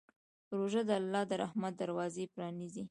روژه د الله د رحمت دروازه پرانیزي.